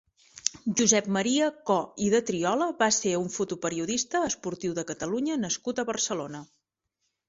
Josep Maria Co i de Triola va ser un fotoperiodista esportiu de Catalunya nascut a Barcelona.